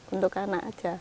untuk anak aja